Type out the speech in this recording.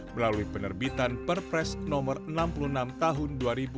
melalui penerbitan perpres nomor enam puluh enam tahun dua ribu dua puluh